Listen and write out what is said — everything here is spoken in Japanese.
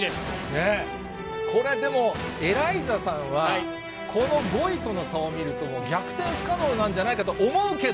これでも、エライザさんは、この５位との差を見ると、逆転不可能なんじゃないかと思うけど。